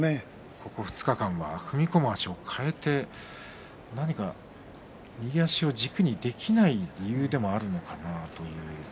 ここ２日間は踏み込む足を変えて何か右足を軸にできない理由でもあるのかなと。